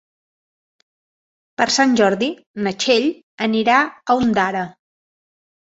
Per Sant Jordi na Txell anirà a Ondara.